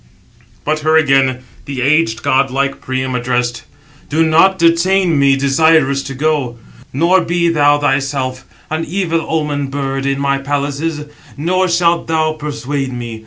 But her again the aged, godlike Priam addressed: "Do not detain me, desirous to go, nor be thou thyself an evil omen bird in my palaces; nor shalt thou persuade me.